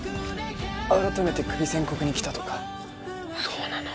改めてクビ宣告に来たとかそうなの？